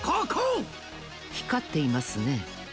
ひかっていますね。